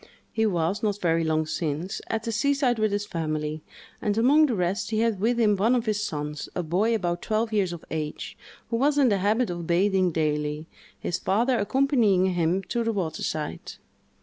He was, not very long since, at the seaside with his family, and, among the rest, he had with him one of his sons, a boy about twelve years of age, who was in the habit of bathing daily, his father accompanying him to the water side.